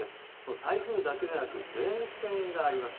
台風だけでなく前線があります。